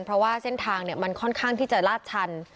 เพราะว่าเส้นทางมันค่อนข้างที่จะลาดชัน